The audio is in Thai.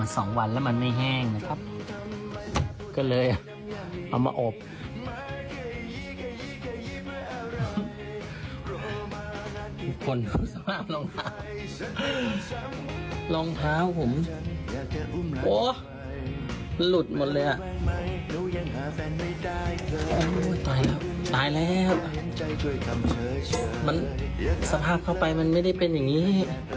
มันสภาพเข้าไปมันไม่ได้เป็นอย่างนี้